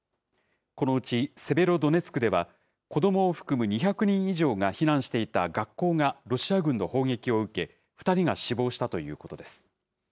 このうち、セベロドネツクでは子どもを含む２００人以上が避難していた学校が、ロシア軍の砲撃を受け、２人が死亡したということです。